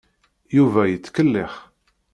Yuba yettkellix.